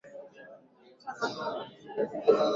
Hususani kwa watu wanaotembelea eneo hilo